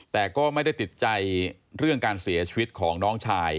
แต่ก็ไม่ได้ติดใจเรื่องการเสียชีวิตของน้องชาย